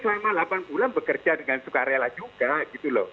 sekarang ulang bekerja dengan sukarela juga gitu loh